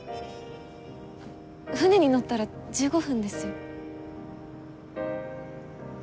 船に乗ったら１５分ですよ。